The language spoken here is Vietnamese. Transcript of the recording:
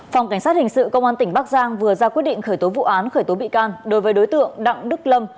phòng cảnh sát hình sự công an tỉnh bắc giang vừa ra quyết định khởi tố vụ án khởi tố bị can đối với đối tượng đặng đức lâm